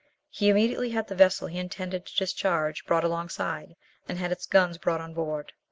He immediately had the vessel he intended to discharge brought alongside, and had its guns brought on board.